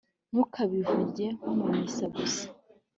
Ntukabivugeho nko mu misa gusa